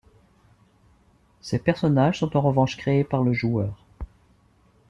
Ces personnages sont en revanche créés par le joueur.